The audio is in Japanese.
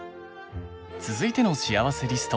続いてのしあわせリスト